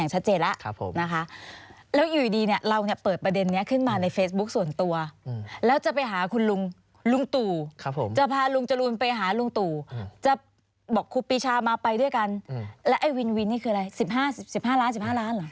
จะรุนไปหาลุงตู่จะบอกครูปิชามาไปด้วยกันและไอ้วินนี่คืออะไร๑๕ล้านหรอ